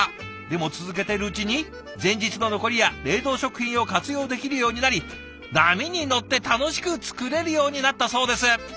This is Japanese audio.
でも続けてるうちに前日の残りや冷凍食品を活用できるようになり波に乗って楽しく作れるようになったそうです。